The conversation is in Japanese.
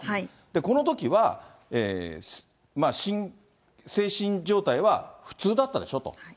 このときはまあ、精神状態は普通だったでしょと。